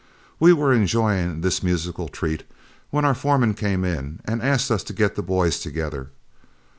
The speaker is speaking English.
We were enjoying this musical treat when our foreman came in and asked us to get the boys together.